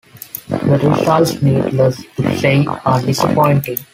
The results, needless to say, are disappointing.